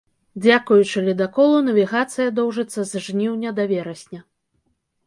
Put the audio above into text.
Дзякуючы ледаколу навігацыя доўжыцца з жніўня да верасня.